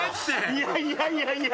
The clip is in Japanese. いやいやいやいや。